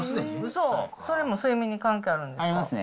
それも睡眠に関係あるんですか？